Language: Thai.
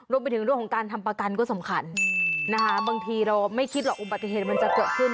รวมไปถึงเรื่องของการทำประกันก็สำคัญนะคะบางทีเราไม่คิดหรอกอุบัติเหตุมันจะเกิดขึ้น